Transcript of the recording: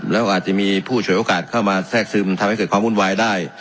แล้วก็อาจจะมีผู้ฉวยโอกาสเข้ามาแทรกซึมทำให้เกิดความวุ่นวายได้